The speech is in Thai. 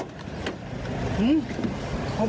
หื้อผมไม่ชอบ